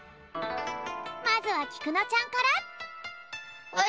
まずはきくのちゃんから。